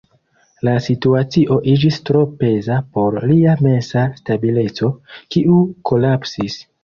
La situacio iĝis tro peza por lia mensa stabileco, kiu kolapsis.